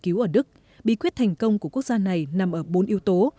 cứu ở đức bí quyết thành công của quốc gia này nằm ở bốn yếu tố